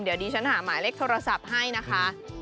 เดี๋ยวดีฉันหาหมายเลขโทรศัพท์ให้นะคะ